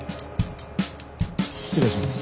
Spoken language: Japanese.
失礼します。